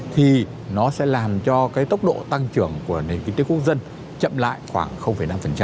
thì nó sẽ làm cho cái tốc độ tăng trưởng của nền kinh tế quốc dân chậm lại khoảng năm